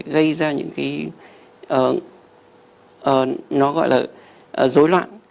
gây ra những cái nó gọi là rối loạn